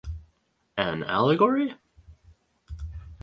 An allegory?